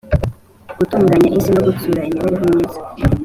gutunganya isi no gutsura imibereho myiza